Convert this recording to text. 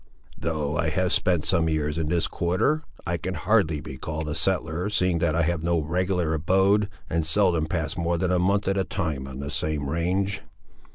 "Though I have spent some years, in this quarter, I can hardly be called a settler, seeing that I have no regular abode, and seldom pass more than a month, at a time, on the same range."